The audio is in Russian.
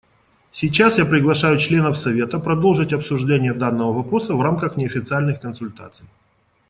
Сейчас я приглашаю членов Совета продолжить обсуждение данного вопроса в рамках неофициальных консультаций.